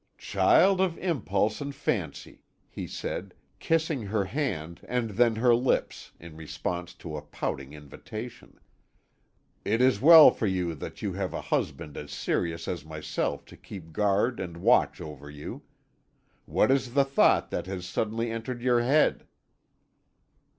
"Child of impulse and fancy," he said, kissing her hand, and then her lips, in response to a pouting invitation, "it is well for you that you have a husband as serious as myself to keep guard and watch over you. What is the thought that has suddenly entered your head?"